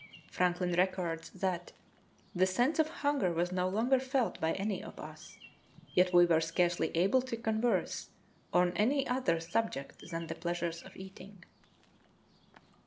Franklin records that "the sense of hunger was no longer felt by any of us, yet we were scarcely able to converse on any other subject than the pleasures of eating.